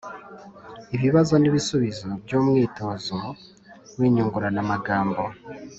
Ibibazo n’ibisubizo by’umwitozo w’inyunguramagambo